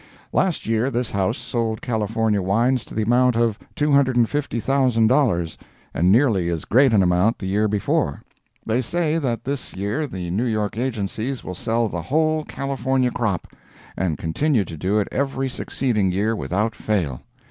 Last year this house sold California wines to the amount of $250,000, and nearly as great an amount the year before. They say that this year the New York agencies will sell the whole California crop, and continue to do it every succeeding year without fail.